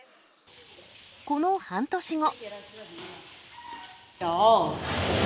この半年後。